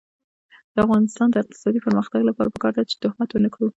د افغانستان د اقتصادي پرمختګ لپاره پکار ده چې تهمت ونکړو.